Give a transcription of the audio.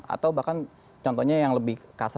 atau bahkan contohnya yang lebih kasar